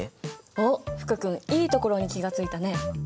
おっ福君いいところに気が付いたね。